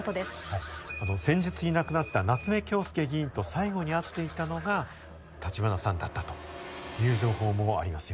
はい先日いなくなった夏目恭輔議員と最後に会っていたのが橘さんだったという情報もありますよね。